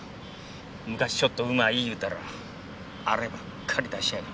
昔ちょっとうまい言うたらあればっかり出しやがって。